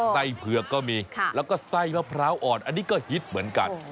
เผือกก็มีแล้วก็ไส้มะพร้าวอ่อนอันนี้ก็ฮิตเหมือนกัน